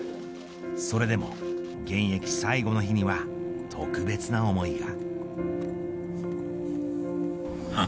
それでも、現役最後の日には特別な思いが。